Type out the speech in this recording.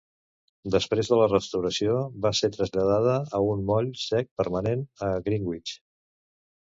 Després de la restauració, va ser traslladada a un moll sec permanent a Greenwich.